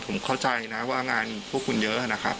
ผมเข้าใจนะว่างานพวกคุณเยอะนะครับ